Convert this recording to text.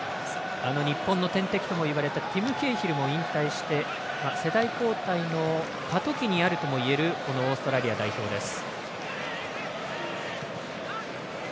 日本の天敵といわれた選手も引退して世代交代の過渡期にあるといわれるオーストラリア代表です。